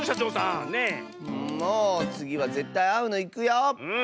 んもつぎはぜったいあうのいくよ。